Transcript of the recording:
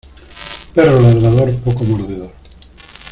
Perro ladrador, poco mordedor.